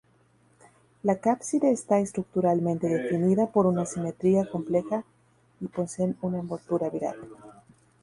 La cápside está estructuralmente definida por una simetría compleja y poseen una envoltura viral.